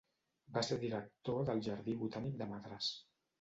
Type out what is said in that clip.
Va ser director del Jardí Botànic de Madràs.